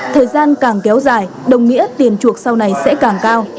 thời gian càng kéo dài đồng nghĩa tiền chuộc sau này sẽ càng cao